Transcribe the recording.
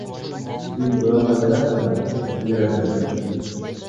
Һин уйлана беләһеңме ул, ерем минең?